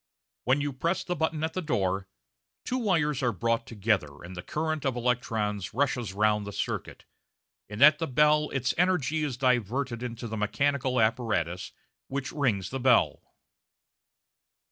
When you press the button at the door, two wires are brought together, and the current of electrons rushes round the circuit; and at the bell its energy is diverted into the mechanical apparatus which rings the bell.